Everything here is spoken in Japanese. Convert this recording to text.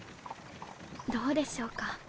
どうでしょうか？